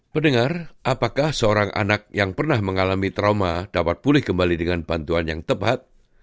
pendengar apakah seorang anak yang pernah mengalami trauma dapat pulih kembali dengan bantuan yang tepat